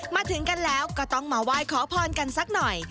มาถึงกันแล้วก็ต้องมาไหว้ขอพรกันสักหน่อย